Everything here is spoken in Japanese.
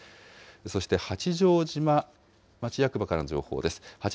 そして八丈島町役場からの情報です。